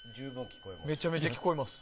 めちゃくちゃ聴こえます。